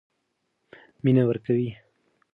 مینه ورکړئ.